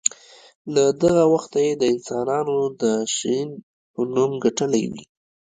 له دغه وخته یې د انسانانو د شهین نوم ګټلی وي.